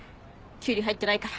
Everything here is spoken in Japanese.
キュウリ入ってないから。